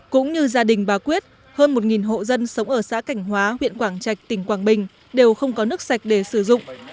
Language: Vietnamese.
cũng như gia đình bà quyết hơn một hộ dân sống ở xã cảnh hóa huyện quảng trạch tỉnh quảng bình đều không có nước sạch để sử dụng